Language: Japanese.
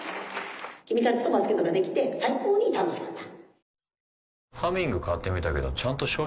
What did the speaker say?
君たちとバスケットができて最高に楽しかった。